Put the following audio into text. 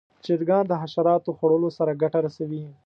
چرګان د حشراتو خوړلو سره ګټه رسوي.